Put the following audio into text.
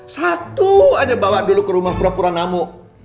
satu aja bawa dulu ke rumah pura pura namu